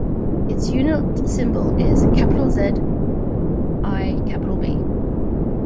Its unit symbol is ZiB.